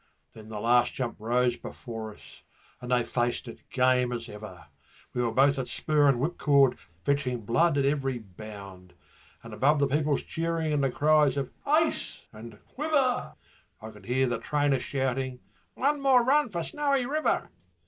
Then the last jump rose before us, and they faced it game as ever We were both at spur and whipcord, fetching blood at every bound And above the people's cheering and the cries of 'Ace' and 'Quiver', I could hear the trainer shouting, 'One more run for Snowy River.'